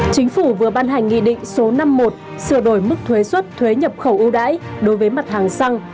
chính phủ vừa ban hành nghị định số năm mươi một sửa đổi mức thuế xuất thuế nhập khẩu ưu đãi đối với mặt hàng xăng